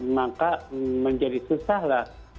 maka menjadi susah lah